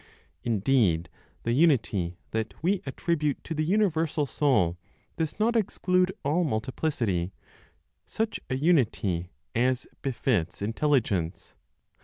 Indeed, the unity that we attribute to the universal (Soul) does not exclude all multiplicity, such a unity as befits intelligence.